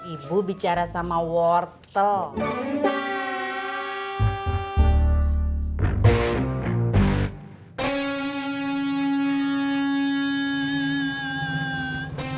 ibu bicara sama wortel